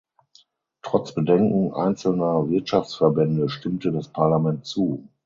Trotz Bedenken einzelner Wirtschaftsverbände stimmte das Parlament zu.